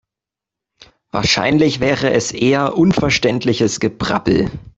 Wahrscheinlich wäre es eher unverständliches Gebrabbel.